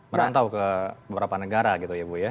merantau ke beberapa negara gitu ya bu ya